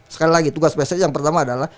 sekali lagi tugas pssi yang pertama adalah